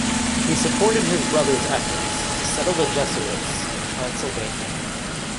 He supported his brother's efforts to settle the Jesuits in Transylvania.